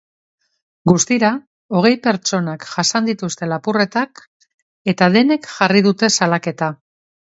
Guztira, hogei pertsonak jasan dituzte lapurretak eta denek jarri dute salaketa.